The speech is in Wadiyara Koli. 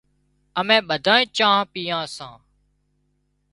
اَمين ٻڌانئين چانه پيئان سان۔